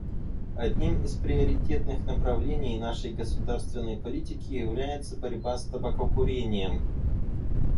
Одним из приоритетных направлений нашей государственной политики является борьба с табакокурением.